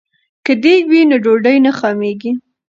که دیګ وي نو ډوډۍ نه خامېږي.